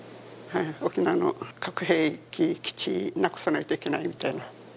沖縄の核兵器基地をなくさないといけないみたいな。